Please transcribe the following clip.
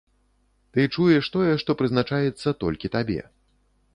Ты чуеш тое, што прызначаецца толькі табе.